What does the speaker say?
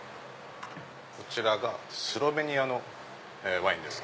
こちらがスロベニアのワインです。